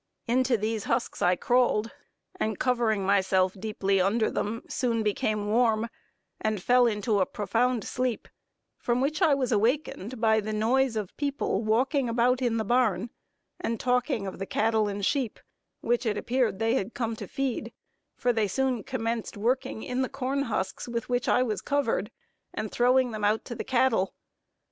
Into these husks I crawled, and covering myself deeply under them, soon became warm, and fell into a profound sleep, from which I was awakened by the noise of people walking about in the barn and talking of the cattle and sheep, which it appeared they had come to feed, for they soon commenced working in the corn husks with which I was covered, and throwing them out to the cattle.